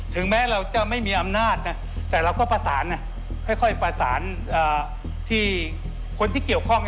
ถึงแม้เราจะไม่มีอำนาจนะแต่เราก็ประสานค่อยประสานที่คนที่เกี่ยวข้อง